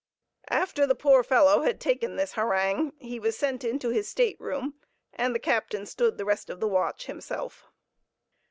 After the poor fellow had taken this harangue, he was sent into his stateroom, and the captain stood the rest of the watch himself.